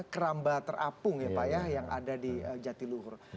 keramba terapung ya pak ya yang ada di jatiluhur